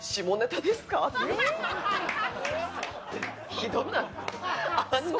ひどない？